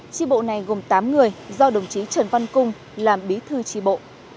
tri bộ này gồm tám người do đồng chí trần văn cung làm bí thư tri bộ